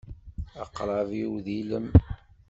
Aqrab-iw d ilem.